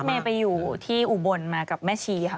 เมย์ไปอยู่ที่อุบลมากับแม่ชีค่ะ